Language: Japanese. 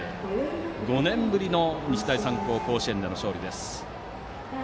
５年ぶりの日大三高甲子園での勝利です。